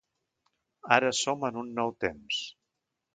Ara som en un nou temps.